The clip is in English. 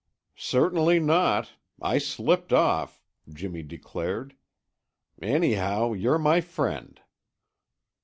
"Certainly not! I slipped off," Jimmy declared. "Anyhow, you're my friend."